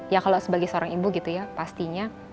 ya kalau sebagai seorang ibu gitu ya pastinya